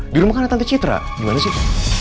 di rumah kan ada tante citra gimana sih